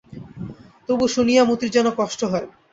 তবু শুনিয়া মতির যেন কষ্ট হয়।